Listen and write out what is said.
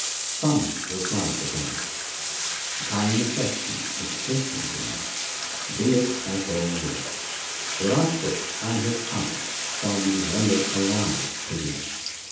* Son/ replied the Goddess, ' thine affection is pleasing to me : be it as thou wilt ! The Rajpoot and his house shall be rendered alive to thee.'